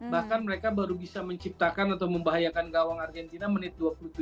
bahkan mereka baru bisa menciptakan atau membahayakan gawang argentina menit dua puluh tujuh